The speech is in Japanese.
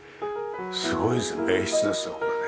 すごいです名筆ですよこれね。